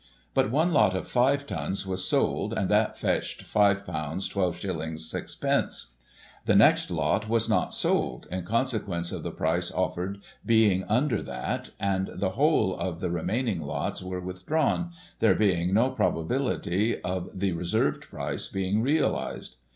But one lot of five tons was sold, and that fetched £^ I2s. 6d The next lot was not sold, in consequence of the price offered being imder that, and the whole of the re maining lots were withdrawn, there being no probability of the reserved price being realised.